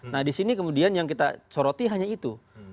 nah di sini kemudian yang kita soroti hanya itu